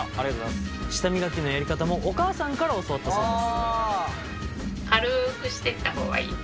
舌磨きのやり方もお母さんから教わったそうです。